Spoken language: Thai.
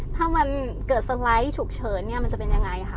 ถ้ามันเกิดสไลด์ฉุกเฉินเนี่ยมันจะเป็นยังไงค่ะ